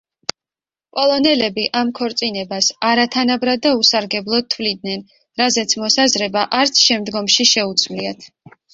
პოლონელები ამ ქორწინებას არათანაბრად და უსარგებლოდ თვლიდნენ, რაზეც მოსაზრება არც შემდგომში შეუცვლიათ.